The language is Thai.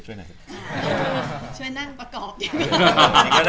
ช่วยนั่งประกอบ